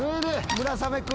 村雨君